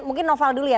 mungkin noval dulu ya